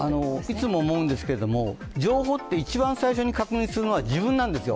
いつも思うんですけれども、情報って、一番最初に確認するのは自分なんですよ。